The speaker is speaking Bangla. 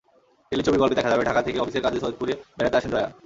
টেলিছবির গল্পে দেখা যাবে, ঢাকা থেকে অফিসের কাজে সৈয়দপুরে বেড়াতে আসেন জয়া।